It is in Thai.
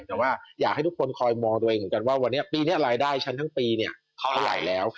แต่ว่าอยากให้ทุกคนคอยมองตัวเองเหมือนกันว่าวันนี้ปีนี้รายได้ฉันทั้งปีเนี่ยเท่าไหร่แล้ว